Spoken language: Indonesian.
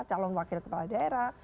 calon wakil kepala daerah